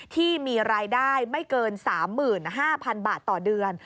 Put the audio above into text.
ที่มีรายได้ไม่เกิน๓๕๐๐๐บาทต่อเดือน